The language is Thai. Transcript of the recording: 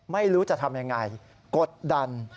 ไม่รู้จะทำยังไงกดดัน